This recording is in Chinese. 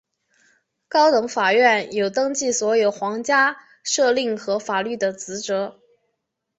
高等法院有登记所有皇家敕令和法律的职责。